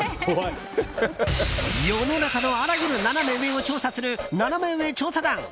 世の中のあらゆるナナメ上を調査するナナメ上調査団。